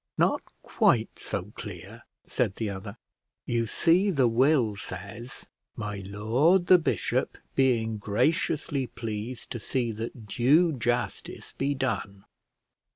"Not quite so clear," said the other. "You see the will says, 'My lord, the bishop, being graciously pleased to see that due justice be done.'